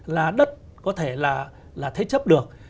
là đất có thể là thế chấp được